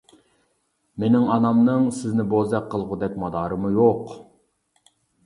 مېنىڭ ئانامنىڭ سىزنى بوزەك قىلغۇدەك مادارىمۇ يوق.